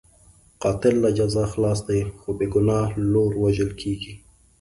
قاتل له جزا خلاص دی، خو بې ګناه لور وژل کېږي.